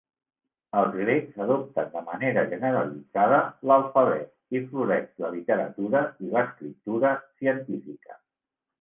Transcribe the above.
Els grecs adopten de manera generalitzada l'alfabet i floreix la literatura i l'escriptura científica.